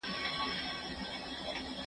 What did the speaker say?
زه کولای سم مينه وښيم؟